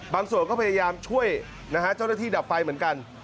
ส่วนก็พยายามช่วยนะฮะเจ้าหน้าที่ดับไฟเหมือนกัน